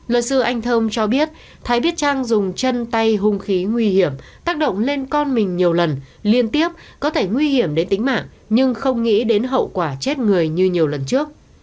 luật sư anh thơm cho biết thái biết trang dùng chân tay hung khí nguy hiểm tác động lên con mình nhiều lần liên tiếp có thể nguy hiểm đến tính mạng nhưng không nghĩ đến hậu quả chết người như nhiều lần trước